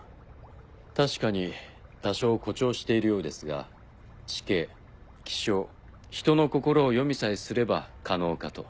確かに多少誇張しているようですが地形気象人の心を読みさえすれば可能かと。